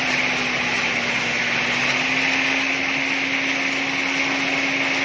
หมาถว่านน้ำอ่ะเด็ก